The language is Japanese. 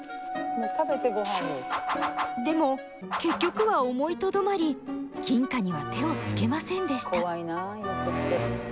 でも結局は思いとどまり金貨には手をつけませんでした。